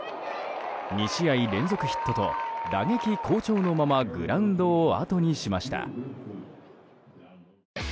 ２試合連続ヒットと打撃好調のままグラウンドをあとにしました。